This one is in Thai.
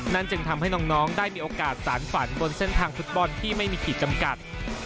จึงทำให้น้องได้มีโอกาสสารฝันบนเส้นทางฟุตบอลที่ไม่มีขีดจำกัด